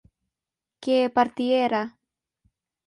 que partiera